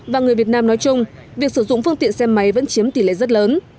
và người việt nam nói chung việc sử dụng phương tiện xe máy vẫn chiếm tỷ lệ rất lớn